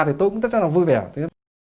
thì tôi cũng rất là vui vẻ